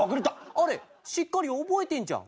あれしっかり覚えてんじゃん。